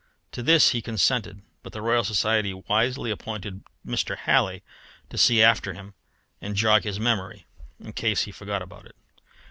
To this he consented; but the Royal Society wisely appointed Mr. Halley to see after him and jog his memory, in case he forgot about it.